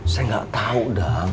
saya gak tau dang